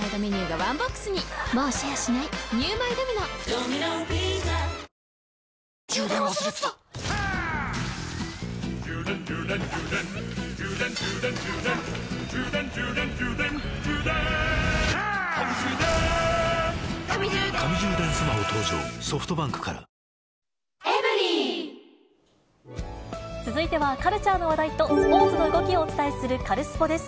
ゾンビ臭に新「アタック抗菌ＥＸ」続いてはカルチャーの話題とスポーツの動きをお伝えする、カルスポっ！です。